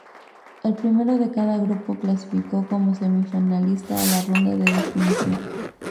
El primero de cada grupo clasificó como semifinalista a la ronda de definición.